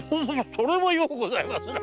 それはようございますなあ。